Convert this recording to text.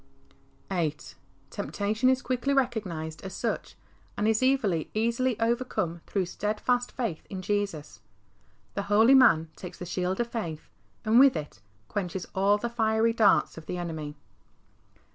THE OUTCOME OF A CLEAN HEART. 31 VIII. Temptatiofi is quickly recognised as such, and is easily overcome through steadfast faith in Jesiis. The holy man takes the shield of faith, and with it " quenches all the fiery darts of the enemy."